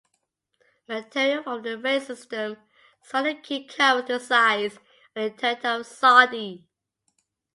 Material from the ray system surrounding King covers the sides and interior of Soddy.